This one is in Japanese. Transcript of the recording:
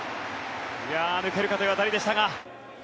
抜けるかという当たりでしたが。